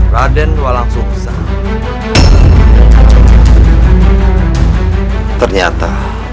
mas rara santa